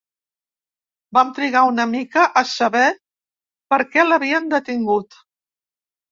Vam trigar una mica a saber per què l'havien detingut.